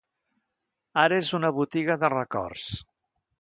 Ara és una botiga de records.